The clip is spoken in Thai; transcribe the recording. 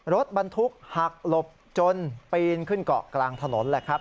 รถบรรทุกหักหลบจนปีนขึ้นเกาะกลางถนนแหละครับ